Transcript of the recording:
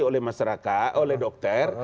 oleh masyarakat oleh dokter